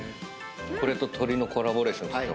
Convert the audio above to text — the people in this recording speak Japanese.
これと鶏のコラボレーションっつってた。